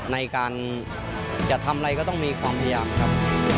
ในการจะทำอะไรก็ต้องมีความพยายามครับ